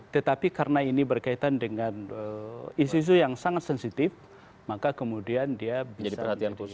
tetapi karena ini berkaitan dengan isu isu yang sangat sensitif maka kemudian dia menjadi perhatian khusus